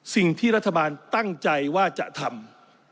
สิ่งที่รัฐบาลตั้งใจว่าจะทำ